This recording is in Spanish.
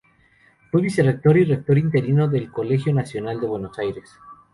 Fue vicerrector y rector interino del Colegio Nacional de Buenos Aires.